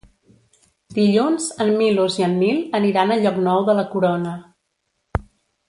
Dilluns en Milos i en Nil aniran a Llocnou de la Corona.